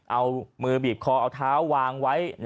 เอามือบีบคอเอาเท้าวางไว้